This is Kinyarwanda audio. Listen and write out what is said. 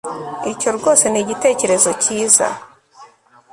Icyo rwose ni igitekerezo cyiza